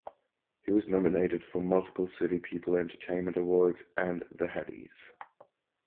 He was nominated for multiple City People Entertainment Awards and The Headies.